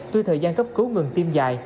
tuy thời gian cấp cứu ngừng tim dài